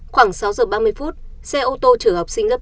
khoảng sáu giờ ba mươi phút xe ô tô chở học sinh lớp chín